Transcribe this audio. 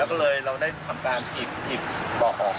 แล้วก็เลยเราได้ทำการหยิบหยิบบอกออก